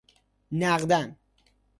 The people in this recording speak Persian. نقدا ً